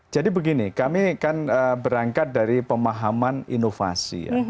jadi begini kami kan berangkat dari pemahaman inovasi